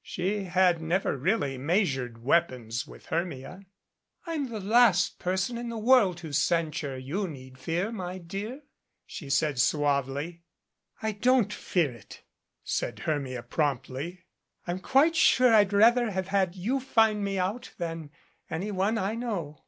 She had never really measured weapons with Hermia. "I'm the last person in the world whose censure you need fear, my dear," she said suavely. "I don't fear it," said Hermia promptly. "I'm quite sure I'd rather have had you find me out than any one I know."